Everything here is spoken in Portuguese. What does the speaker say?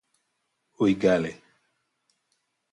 Ôigale